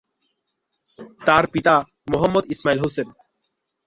তার পিতা মোহাম্মদ ইসমাইল হোসেন।